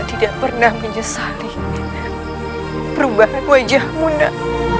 tidak pernah menyesali perubahan wajahmu nak